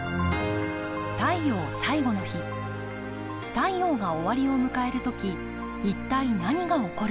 太陽が終わりを迎える時一体何が起こるのか。